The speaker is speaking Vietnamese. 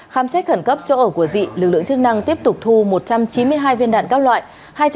khám xét khẩn cấp chỗ ở của dị lực lượng chức năng tiếp tục thu một trăm chín mươi hai viên đạn các loại